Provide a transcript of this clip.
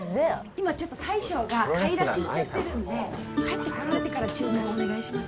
今ちょっと大将が買い出し行っちゃってるんで帰ってこられてから注文お願いします